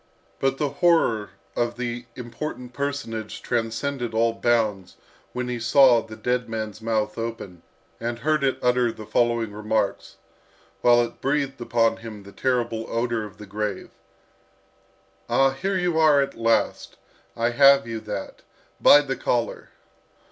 But the horror of the important personage transcended all bounds when he saw the dead man's mouth open, and heard it utter the following remarks, while it breathed upon him the terrible odour of the grave: "Ah, here you are at last! I have you, that by the collar!